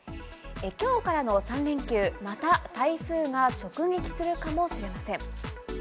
今日からの３連休、また台風が直撃するかもしれません。